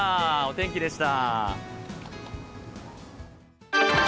天気でした。